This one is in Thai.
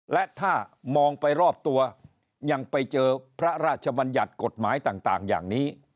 และถ้ามองไปรอบตัวยังไปเจอพระราชบัญญัติกฎหมายต่างอย่างนี้